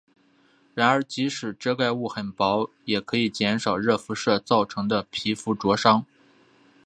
然而即使遮盖物很薄也可以减少热辐射造成的皮肤灼伤。